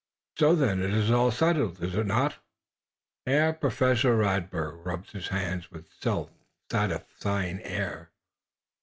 So, then, it is all settled, is it not!" Herr Professor Radberg rubbed his hands with a self satisfied air.